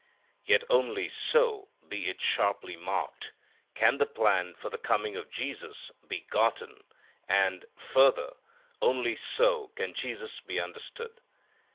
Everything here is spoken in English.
Yet only so, be it sharply marked, can the plan for the coming of Jesus be gotten, and, further, only so can Jesus be understood.